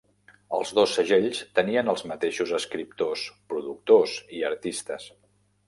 Els dos segells tenien els mateixos escriptors, productors i artistes.